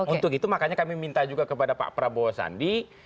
untuk itu makanya kami minta juga kepada pak prabowo sandi